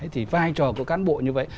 vì vai trò của cán bộ như vậy